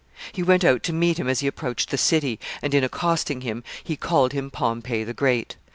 He went out to meet him as he approached the city, and, in accosting him, he called him Pompey the Great.